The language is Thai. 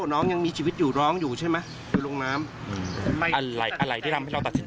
น้องยังมีชีวิตร้องอยู่ใช่ไหม